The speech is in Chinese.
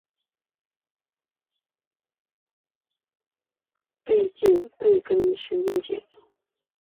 背根神经节。